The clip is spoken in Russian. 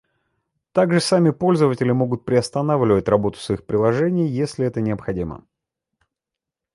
Также сами пользователи могут приостанавливать работу своих приложений, если это необходимо